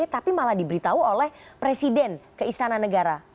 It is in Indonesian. tapi malah diberitahu oleh presiden keistana negara